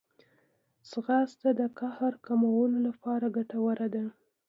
ځغاسته د قهر کمولو لپاره ګټوره ده